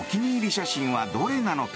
写真はどれなのか。